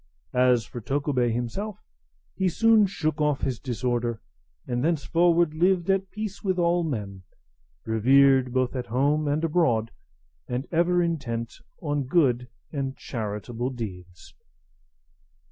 As for Tokubei himself, he soon shook off his disorder, and thenceforward lived at peace with all men, revered both at home and abroad, and ever intent on good and charitable deeds.